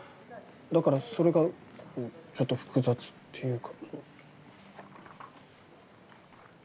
だからそれがちょっと複雑っていうか。